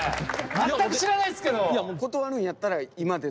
全く知らないですけど。